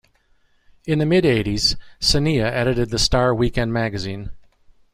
In the mid-eighties, Saneeya edited The Star Weekend magazine.